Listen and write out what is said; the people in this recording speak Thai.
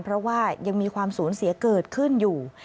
เพราะว่ายังมีความสูญเสียเกิดขึ้นอยู่